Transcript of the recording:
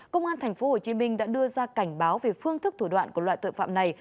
công an thành phố hồ chí minh đã đưa ra cảnh báo về phương thức thủ đoạn của loại tội phạm này